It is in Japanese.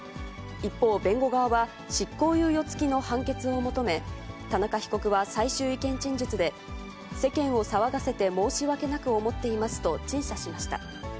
一方、弁護側は、執行猶予付きの判決を求め、田中被告は、最終意見陳述で、世間を騒がせて申し訳なく思っていますと陳謝しました。